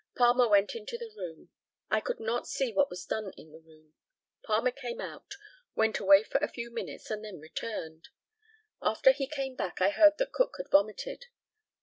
Palmer went into the room. I could not see what was done in the room. Palmer came out, went away for a few minutes, and then returned. After he came back, I heard that Cook had vomited.